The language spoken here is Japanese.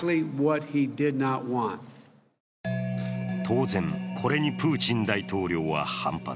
当然、これにプーチン大統領は反発。